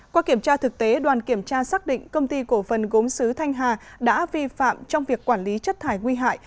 qua kiểm tra thực tế đoàn kiểm tra xác định công ty cổ phần gốm sứ thanh hà đã vi phạm trong việc quản lý chất thải nguy hại